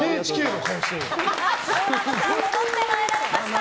ジローラモさん戻ってまいられました。